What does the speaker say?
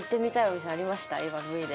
今のＶで。